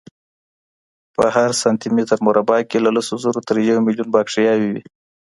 په هر سانتي متر مربع کې له لسو زرو تر یو میلیون باکتریاوې وي.